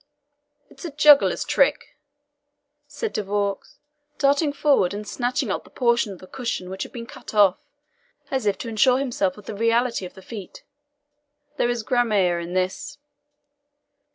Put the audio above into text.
"It is a juggler's trick," said De Vaux, darting forward and snatching up the portion of the cushion which had been cut off, as if to assure himself of the reality of the feat; "there is gramarye in this."